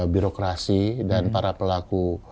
birokrasi dan para pelaku